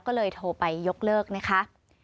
ก็เลยโทรไปยกเลิกนะคะ